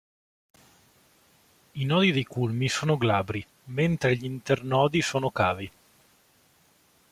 I nodi dei culmi sono glabri, mentre gli internodi sono cavi.